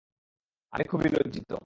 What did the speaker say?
আমি খুবই লজ্জিত।